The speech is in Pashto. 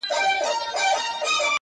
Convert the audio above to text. وو حاکم مګر مشهوره په امیر وو؛